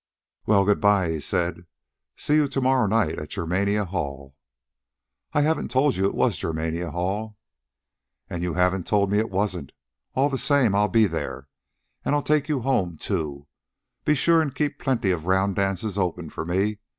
"Well, good bye," he said. "See you to morrow night at Germania Hall." "I haven't told you it was Germania Hall." "And you haven't told me it wasn't. All the same, I'll be there. And I'll take you home, too. Be sure an' keep plenty of round dances open fer me.